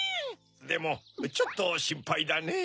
でもちょっとしんぱいだねぇ。